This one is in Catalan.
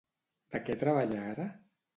De què treballa ara?